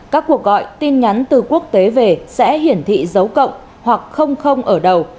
các cuộc gọi tin nhắn từ quốc tế về sẽ hiển thị dấu cộng hoặc ở đầu